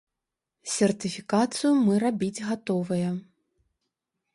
Сертыфікацыю мы рабіць гатовыя.